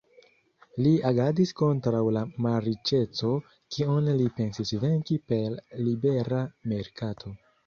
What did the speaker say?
Li agadis kontraŭ la malriĉeco, kiun li pensis venki per libera merkato.